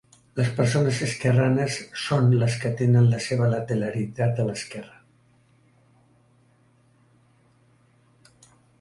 Les persones esquerranes són les que tenen la seva lateralitat a l'esquerra.